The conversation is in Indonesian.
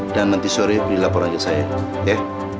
dan nanti sore beri laporan aja saya ya